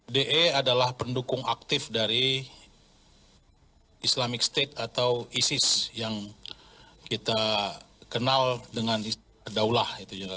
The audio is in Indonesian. de adalah pendukung aktif dari islamic state atau isis yang kita kenal dengan daulah